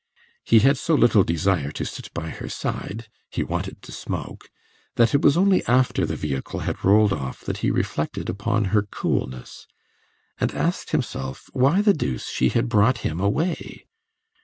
He had so little desire to sit by her side he wanted to smoke that it was only after the vehicle had rolled off that he reflected upon her coolness, and asked himself why the deuce she had brought him away.